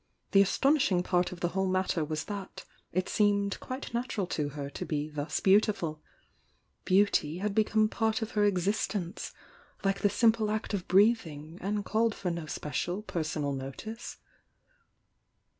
The aston ishing part of the whole matter was that it seemed quite natural to her to be thus beautiful; beauty had become part of her existence, like the simple act of breathing, and called for no special personal notice.